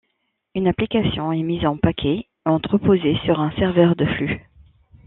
Une application est mise en paquets et entreposée sur un serveur de flux.